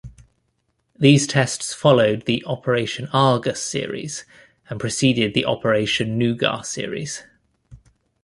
These tests followed the "Operation Argus" series and preceded the "Operation Nougat" series.